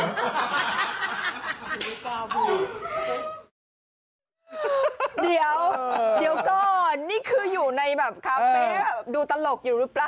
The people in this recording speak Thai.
เดี๋ยวก่อนนี่คืออยู่ในแบบคาเฟ่ดูตลกอยู่หรือเปล่า